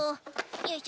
よいしょ。